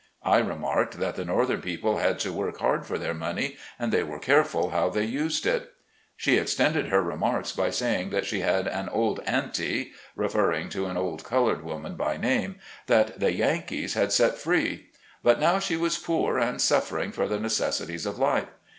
I remarked, that the northern people had to work hard for their money and they were careful how they used it. She extended her remarks by saying that she had an "old Anty" — referring to an old colored woman by name — that the "Yankees" had set free; but now she was poor and suffering for the necessities of life.